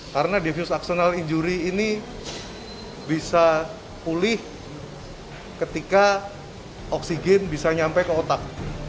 karena defuse action al injuri ini bisa pulih ketika oksigen bisa nyampe ke otak